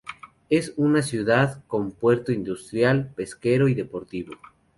Es una ciudad con puerto industrial, pesquero y deportivo.